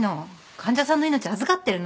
患者さんの命預かってるの。